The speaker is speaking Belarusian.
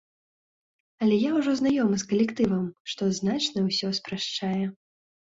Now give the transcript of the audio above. Але я ўжо знаёмы з калектывам, што значна ўсё спрашчае.